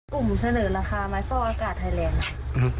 เสนอราคาไม้ฟอกอากาศไทยแลนด์